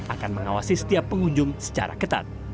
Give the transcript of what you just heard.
akan mengawasi setiap pengunjung secara ketat